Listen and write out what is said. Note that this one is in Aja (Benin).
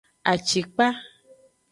Acikpa.